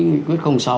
nghị quyết sáu